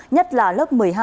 nhất là lớp một mươi hai